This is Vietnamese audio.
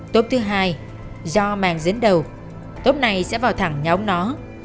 tốt thứ hai do màng dẫn đầu tốt này sẽ vào thẳng nhà ông nó